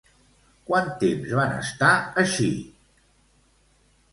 Quant temps van estar així?